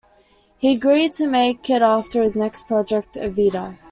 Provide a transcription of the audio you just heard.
He agreed to make it after his next project, "Evita".